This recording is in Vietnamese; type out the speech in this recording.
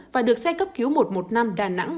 và được xe cấp cứu một trăm một mươi năm đà nẵng